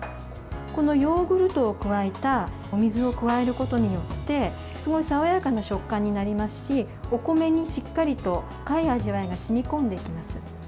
このヨーグルトを加えたお水を加えることによってすごい爽やかな食感になりますしお米にしっかりと深い味わいが染み込んでいきます。